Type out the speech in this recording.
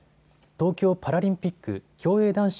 東京パラリンピック競泳男子